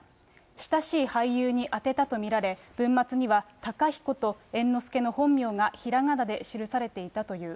親しい俳優に宛てたと見られ、文末にはたかひこと、猿之助の本名がひらがなで記されていたという。